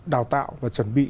đào tạo và chuẩn bị